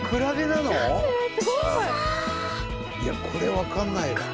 いやこれ分かんないわ。